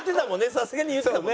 さすがに言ってたもんね